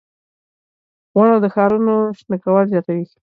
• ونه د ښارونو شنه کول زیاتوي.